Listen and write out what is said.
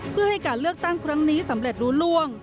เพื่อให้การเลือกตั้งครั้งนี้สำเร็จรู้ล่วง